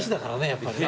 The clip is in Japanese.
やっぱりね。